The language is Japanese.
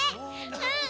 うん！